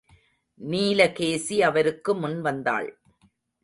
நீலகேசி அவருக்கு முன்வந்தாள்.